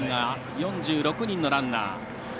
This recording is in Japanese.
４６人のランナー。